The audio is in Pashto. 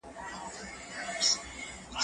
زه پرون پوښتنه وکړه،